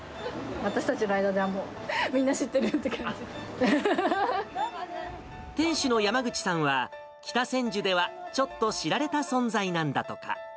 私たちの間ではもう、みんな知っ店主の山口さんは、北千住ではちょっと知られた存在なんだとか。